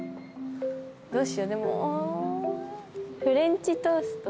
どうしようでも。